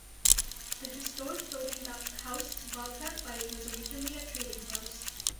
The historic building that housed Bobcat Bite was originally a trading post.